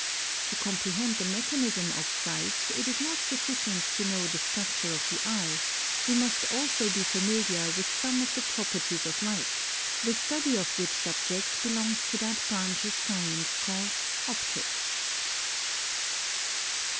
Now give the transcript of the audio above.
3. To comprehend the mechanism of sight, it is not sufficient to know the structure of the eye ; we must also be familiar with some of the properties of light, the study of which subject be longs to that branch of science called Optics.